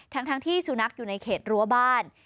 ทั้งที่สุนัขอยู่ในเขตรั้วบ้าน